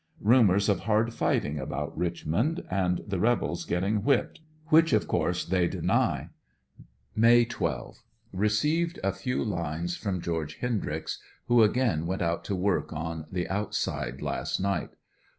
'* Rumors of hard fighting about Richmond, and the rebels getting whipped, which of course they deny. May 12 — Received a few lines from George Hendryx, who again went out to work on the outside last ni^ht.